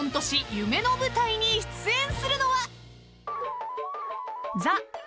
夢の舞台に出演するのは！？］